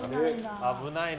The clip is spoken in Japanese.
危ないね。